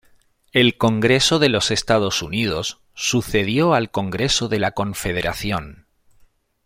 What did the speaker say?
El Congreso de los Estados Unidos sucedió al Congreso de la Confederación.